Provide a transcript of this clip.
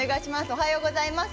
おはようございます。